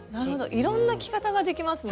いろんな着方ができますね。